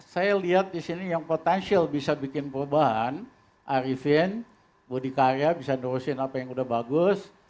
saya lihat di sini yang potensial bisa bikin perubahan arifin budi karya bisa nerusin apa yang udah bagus